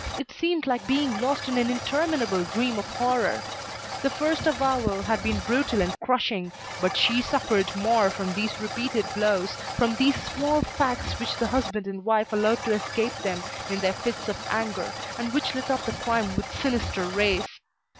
It seemed like being lost in an interminable dream of horror. The first avowal had been brutal and crushing, but she suffered more from these repeated blows, from these small facts which the husband and wife allowed to escape them in their fits of anger, and which lit up the crime with sinister rays.